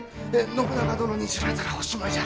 信長殿に知られたらおしまいじゃ。